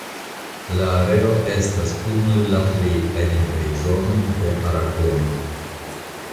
La areo estas unu el la plej aridaj zonoj de Aragono.